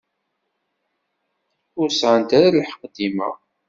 Ur sεant ara lḥeqq dima.